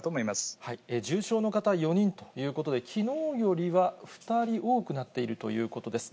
重症の方４人ということで、きのうよりは２人多くなっているということです。